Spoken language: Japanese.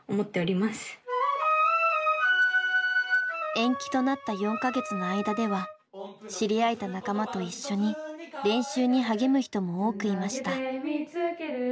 延期となった４か月の間では知り合えた仲間と一緒に練習に励む人も多くいました。